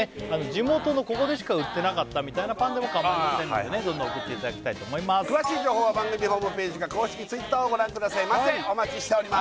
地元のここでしか売ってなかったみたいなパンでも構いませんのでねどんどん送っていただきたいと思います詳しい情報は番組ホームページか公式Ｔｗｉｔｔｅｒをご覧くださいませお待ちしております